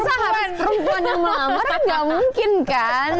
masa habis perempuan yang melamar gak mungkin kan